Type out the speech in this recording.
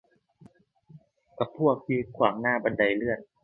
กับพวกยืนขวางหน้าบันไดเลื่อน